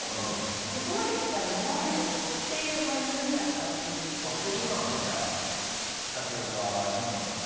ここまで来たら飲まないでおこうていうマインドになったっていう今もじゃあタピオカは飲んだことない？